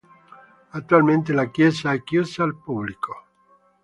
Attualmente la chiesa è chiusa al pubblico.